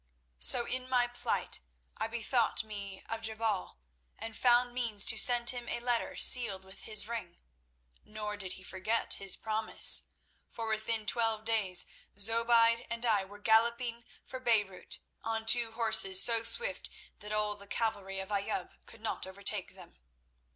"So in my plight I bethought me of Jebal, and found means to send him a letter sealed with his ring. Nor did he forget his promise, for within twelve days Zobeide and I were galloping for Beirut on two horses so swift that all the cavalry of Ayoub could not overtake them.